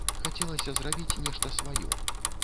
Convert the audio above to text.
Хацелася зрабіць нешта сваё.